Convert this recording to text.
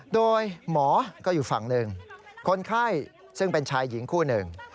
โดยหมอก็อยู่ฝั่งหนึ่งคนไข้ซึ่งเป็นชายหญิงคู่หนึ่ง